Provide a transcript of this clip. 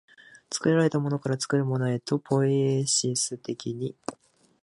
作られたものから作るものへと、ポイエシス的に、